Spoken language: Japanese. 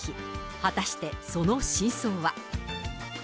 果たして、その真相は。